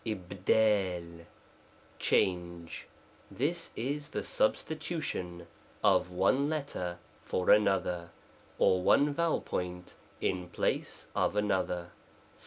* Jl^l change This is the substitution of one f letter for another, or one vowel point in place of another.